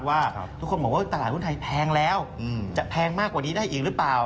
ว่าทุกคนบอกว่าตลาดหุ้นไทยแพงแล้วจะแพงมากกว่านี้ได้อีกหรือเปล่า